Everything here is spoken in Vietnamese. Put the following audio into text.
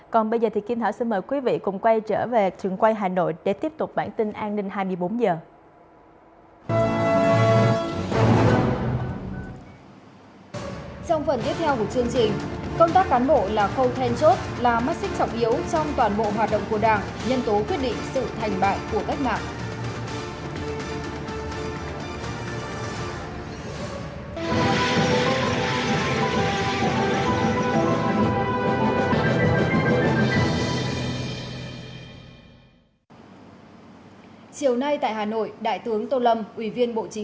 còn bây giờ thì kim thảo xin mời quý vị cùng quay trở về trường quay hà nội để tiếp tục bản tin an ninh hai mươi bốn h